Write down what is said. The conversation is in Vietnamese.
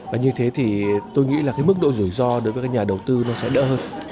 và như thế thì tôi nghĩ là cái mức độ rủi ro đối với các nhà đầu tư nó sẽ đỡ hơn